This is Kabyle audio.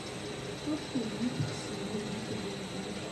Ur tellimt tessedhayemt igerdan.